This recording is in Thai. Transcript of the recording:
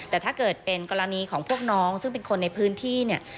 แต่ถ้าเกิดเป็นกรณีของพวกน้องซึ่งเป็นคนในพื้นที่เนี่ย